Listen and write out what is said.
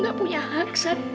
nggak punya hak sat